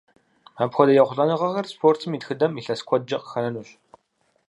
Апхуэдэ ехъулӏэныгъэхэр спортым и тхыдэм илъэс куэдкӏэ къыхэнэнущ.